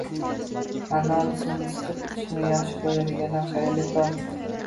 Anorni suvini siqib ichishni yaxshi ko'radiganlar, xayrli tong!